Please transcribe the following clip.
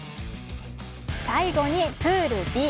最後にプールＢ。